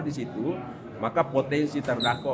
di situ maka potensi terdakwa